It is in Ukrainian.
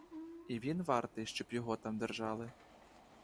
І він вартий, щоб його там держали?